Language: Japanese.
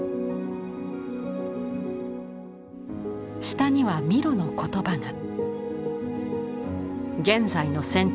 下にはミロの言葉が。